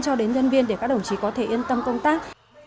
cho đến nhân viên để các đồng chí có thể yên tâm công tác